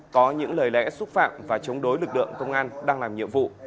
có những lời lẽ xúc phạm và chống đối lực lượng công an đang làm nhiệm vụ